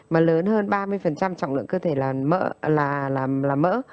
mà lớn hơn ba mươi trọng lượng cơ thể là mỡ